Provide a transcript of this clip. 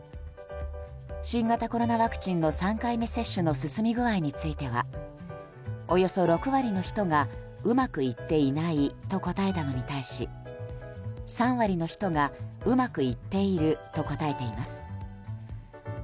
新型コロナワクチンの３回目接種の進み具合についてはおよそ６割の人がうまくいっていないと答えたのに対し３割の人が、うまくいっていると答えています。